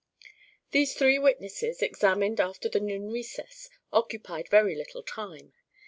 These three witnesses, examined after the noon recess, occupied very little time.